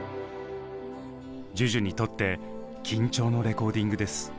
ＪＵＪＵにとって緊張のレコーディングです。